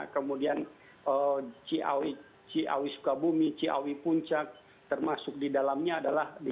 kemudian ciawi sukabumi ciawi puncak termasuk di dalamnya adalah di